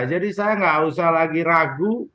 jadi saya gak usah lagi ragu